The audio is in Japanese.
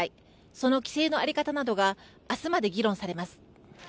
その規制の在り方などが明日まで議論されます。